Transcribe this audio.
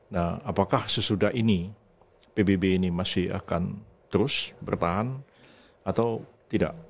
nah apakah sesudah ini pbb ini masih akan terus bertahan atau tidak